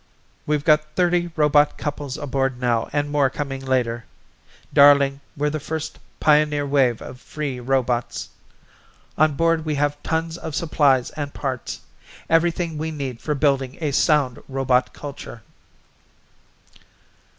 We've got thirty robot couples aboard now and more coming later. Darling, we're the first pioneer wave of free robots. On board we have tons of supplies and parts everything we need for building a sound robot culture."